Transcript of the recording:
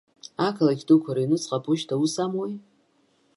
Ақалақь дуқәа рыҩныҵҟа аԥошьҭа аус амуеи?